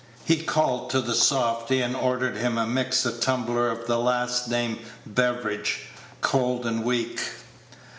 He called to the softy, and ordered him mix a tumbler of the last named beverage, cold and weak.